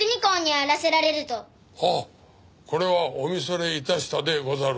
ああこれはお見それ致したでござる。